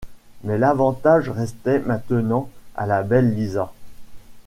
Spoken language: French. Mais l’avantage restait maintenant à la belle Lisa.